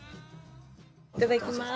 いただきます。